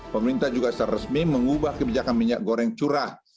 pemerintah juga secara resmi mengubah kebijakan minyak goreng curah